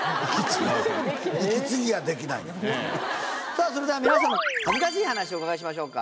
さぁそれでは皆さんの恥ずかしい話お伺いしましょう。